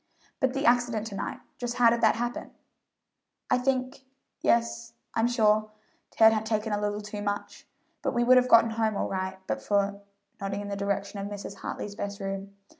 "But the accident to night, just how did that happen?" "I think yes, I'm sure Ted had taken a little too much; but we would have gotten home all right but for" nodding in the direction of Mrs. Hartley's best room.